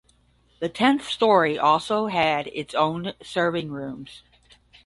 The tenth story also had its own serving rooms.